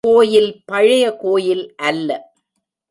கோயில் பழைய கோயில் அல்ல.